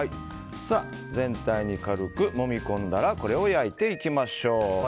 全体に軽くもみ込んだらこれを焼いていきましょう。